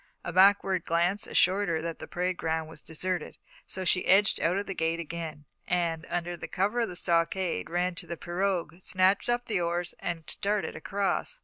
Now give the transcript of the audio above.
A backward glance assured her that the parade ground was deserted, so she edged out of the gate again, and, under cover of the stockade, ran to the pirogue, snatched up the oars, and started across.